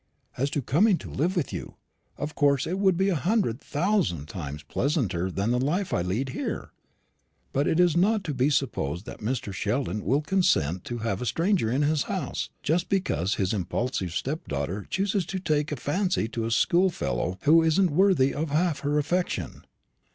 As to coming to live with you, of course it would be a hundred thousand times pleasanter than the life I lead here; but it is not to be supposed that Mr. Sheldon will consent to have a stranger in his house just because his impulsive stepdaughter chooses to take a fancy to a schoolfellow who isn't worthy of half her affection."